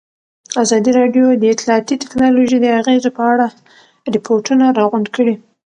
ازادي راډیو د اطلاعاتی تکنالوژي د اغېزو په اړه ریپوټونه راغونډ کړي.